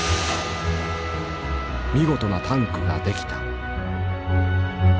見事なタンクが出来た。